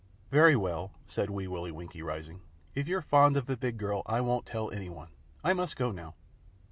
"Very well," said Wee Willie Winkie, rising. "If you're fond of ve big girl, I won't tell any one. I must go now."